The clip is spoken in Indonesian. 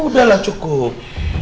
udah lah cukup